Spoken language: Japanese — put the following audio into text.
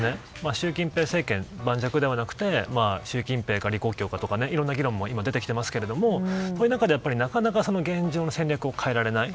習近平政権も盤石ではなく習近平か、李克強かいろんな議論も出てきていますがこういう中で現状の戦略を変えられない。